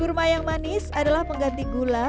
kurma yang manis adalah pengganti gula